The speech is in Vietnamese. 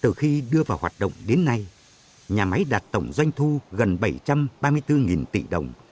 từ khi đưa vào hoạt động đến nay nhà máy đạt tổng doanh thu gần bảy trăm ba mươi bốn tỷ đồng